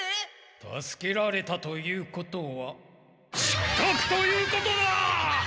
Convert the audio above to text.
助けられたということは失格ということだ！